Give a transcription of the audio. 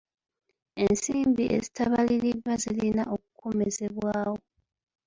Ensimbi ezitabaliriddwa zirina okukomezebwawo.